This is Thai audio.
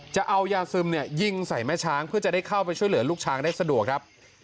จะเอายาซึมยิงใส่แม่ช้างเพื่อจะได้เข้าไปช่วยเหลือลูกช้างได้สะดวกครับ